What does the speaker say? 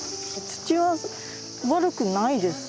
土は悪くないです。